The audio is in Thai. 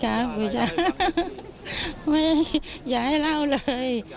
ก็พูดสิครับอย่าให้เล่าเลย